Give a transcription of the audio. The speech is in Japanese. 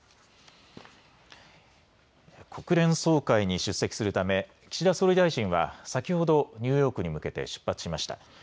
国連総会に出席するため岸田総理大臣は先ほどニューヨークに向けて出発しました。